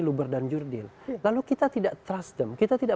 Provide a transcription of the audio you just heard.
luber dan jurdil lalu kita tidak